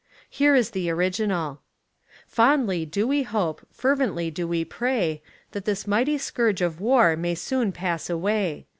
Here Is the original: — "Fondly do we hope, fervently do we pray, that this mighty scourge of war may soon pass away.